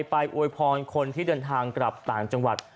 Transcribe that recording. อวยพรคนที่เดินทางกลับต่างจังหวัด